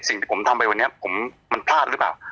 สิ่งที่ผมทำไปวันนี้ผมมันพลาดหรือเปล่า